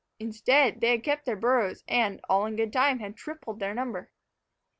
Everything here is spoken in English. Instead, they had kept to their burrows and, all in good time, had tripled their number.